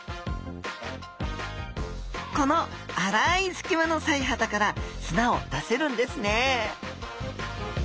この粗い隙間の鰓耙だから砂を出せるんですね